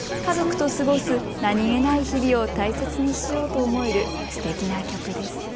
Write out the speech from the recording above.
家族と過ごす何気ない日々を大切にしようと思える素敵な曲です」。